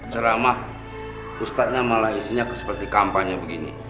ceramah ustaznya malah isinya seperti kempahannya begini